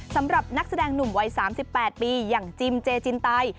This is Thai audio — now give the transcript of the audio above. สำหรับนักแสดงหนุ่มวัย๓๘ปีอย่างจิมเจจินไต